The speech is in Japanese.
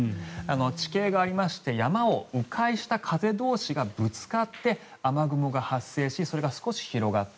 地形がありまして山を迂回した風同士がぶつかって雨雲が発生しそれが少し広がった。